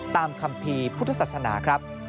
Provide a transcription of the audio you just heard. ตามคำพีพุทธศาสนาครับ